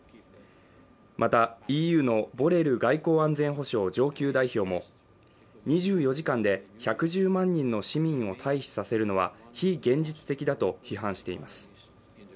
またＥＵのボレル外交安全保障上級代表も２４時間で１１０万人の市民を退避させるのは非現実的だと批判しています